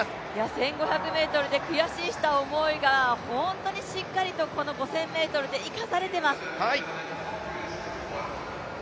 １５００ｍで悔しかった思いが、本当にしっかりとこの５０００ｍで生かされてます。